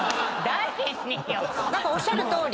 誰によ⁉おっしゃるとおり。